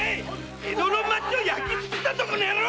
江戸の町を焼き尽くすだとこの野郎！